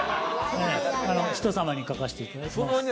人様に書かせていただいてます。